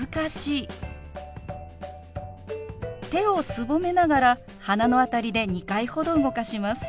手をすぼめながら鼻の辺りで２回ほど動かします。